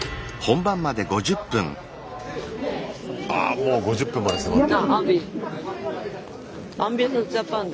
ああもう５０分まで迫ってる。